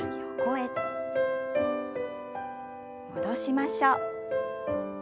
戻しましょう。